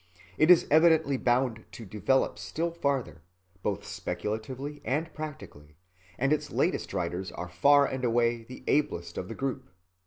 It is evidently bound to develop still farther, both speculatively and practically, and its latest writers are far and away the ablest of the group.